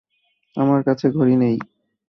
আমার কাছে ঘড়ি নেই।